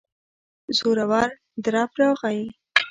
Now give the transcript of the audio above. زورور درب راغی.